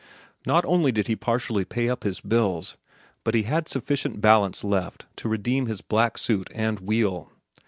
Not only did he partially pay up his bills, but he had sufficient balance left to redeem his black suit and wheel.